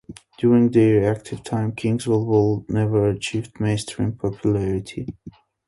During their active time, Kingston Wall never achieved mainstream popularity.